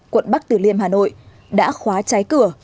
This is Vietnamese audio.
quận bắc từ liêm hà nội đã khóa trái cửa